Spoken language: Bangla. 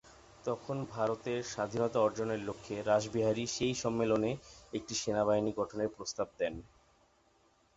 তখন ভারতের স্বাধীনতা অর্জনের লক্ষ্যে রাসবিহারী সেই সম্মেলনে একটি সেনাবাহিনী গঠনের প্রস্তাব দেন।